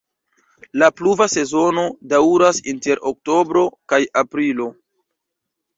La pluva sezono daŭras inter oktobro kaj aprilo.